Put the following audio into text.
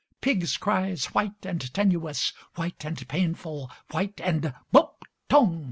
Pigs' cries white and tenuous, White and painful, White and Bump! Tong!